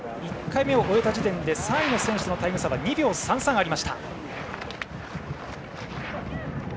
１回目を終えた時点で３位の選手とのタイム差が２秒３３ありました。